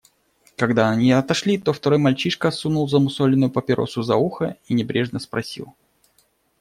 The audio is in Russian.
Когда они отошли, то второй мальчишка сунул замусоленную папиросу за ухо и небрежно спросил.